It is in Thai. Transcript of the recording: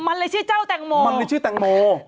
มันเลยชื่อเจ้าแตงโม้